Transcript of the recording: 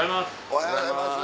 おはようございます。